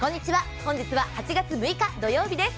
本日は８月６日土曜日です。